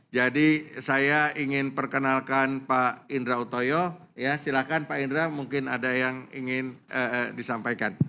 jadi saya ingin perkenalkan pak indra utoyo silahkan pak indra mungkin ada yang ingin disampaikan